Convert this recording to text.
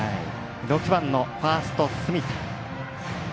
６番のファースト隅田。